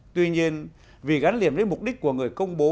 tuy nhiên vì gắn liền với mục đích của người công bố